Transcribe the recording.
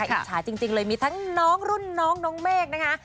อิจฉาจริงเลยมีทั้งน้องรุ่นน้องน้องเมฆนะคะ